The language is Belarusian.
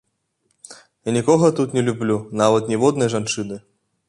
Я нікога тут не люблю, нават ніводнай жанчыны.